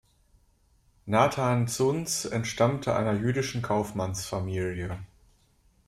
Nathan Zuntz entstammte einer jüdischen Kaufmannsfamilie.